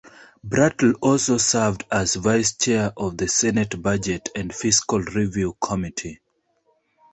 Brulte also served as Vice-Chair of the Senate Budget and Fiscal Review Committee.